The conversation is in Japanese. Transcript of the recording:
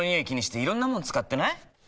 気にしていろんなもの使ってない？